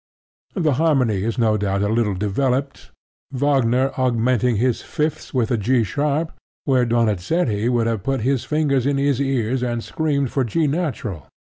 The harmony is no doubt a little developed, Wagner augmenting his fifths with a G sharp where Donizetti would have put his fingers in his ears and screamed for G natural.